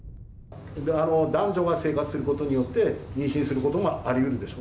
男女が生活することによって、妊娠することもありうるでしょ。